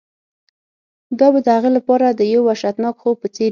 دا به د هغه لپاره د یو وحشتناک خوب په څیر وي